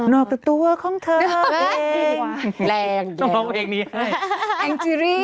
นอกตัวของเธอเอง